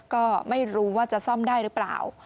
ก็ไม่รู้ว่าจะซ่อมได้หรือเปล่า